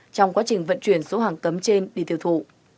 trong quá trình vận chuyển số hàng cấm trên đi tiêu thụ